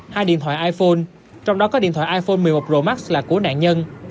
hai điện thoại iphone trong đó có điện thoại iphone một mươi một pro max là của nạn nhân